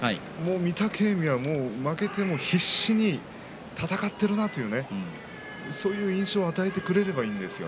御嶽海は負けても必死に戦っているなという印象を与えてくれればいいんですよ。